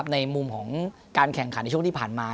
ในมุมของการแข่งขันในช่วงที่ผ่านมา